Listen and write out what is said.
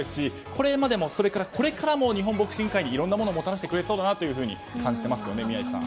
これまでも、これからも日本ボクシング界にいろんなものをもたらしてくれるだろうと感じています、宮司さん。